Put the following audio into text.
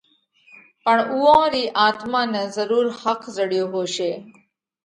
پڻ اُوئون رِي آتما نئہ ضرُور ۿک زڙيو هوشي۔